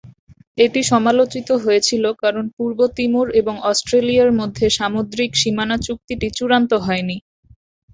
এটি সমালোচিত হয়েছিল কারণ পূর্ব তিমুর এবং অস্ট্রেলিয়ার মধ্যে সামুদ্রিক সীমানা চুক্তিটি চূড়ান্ত হয়নি।